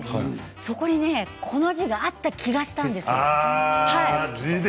そこにこの字があったような気がするんです。